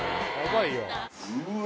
うわ